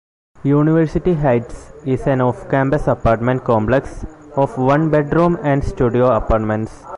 "University Heights" is an off-campus apartment complex of one-bedroom and studio apartments.